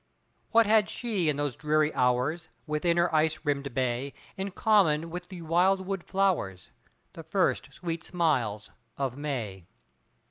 What had she in those dreary hours, Within her ice rimmed bay, In common with the wild wood flowers, The first sweet smiles of May?